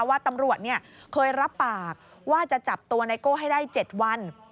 ว่าตำรวจเคยรับปากว่าจะจับตัวไนโก้ให้ได้๗วัน